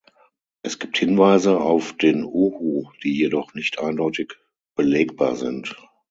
Es gibt Hinweise auf den Uhu, die jedoch nicht eindeutig belegbar sind.